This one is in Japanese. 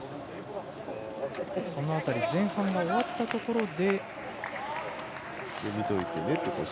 その辺り前半が終わったところで。